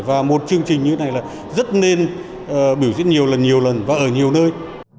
và một chương trình như thế này là rất nên biểu diễn nhiều lần nhiều lần và ở nhiều nơi